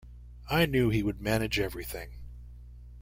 I knew he would manage everything!